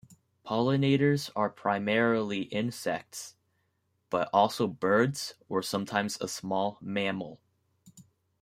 Pollinators are primarily insects, but also birds or sometimes a small mammal.